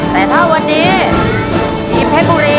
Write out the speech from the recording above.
แต่ถ้าวันนี้ทีมเพชรบุรี